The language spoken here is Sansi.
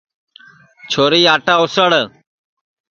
چھوری آٹا اُسݪ